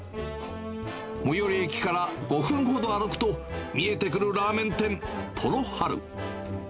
最寄り駅から５分ほど歩くと、見えてくるラーメン店、ポロ春。